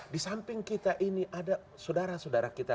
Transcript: di samping kita ini ada saudara saudara kita